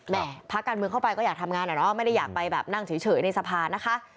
พักการเมืองเข้าไปก็อยากทำงานอะเนาะไม่ได้อยากไปแบบนั่งเฉยในสภานะคะ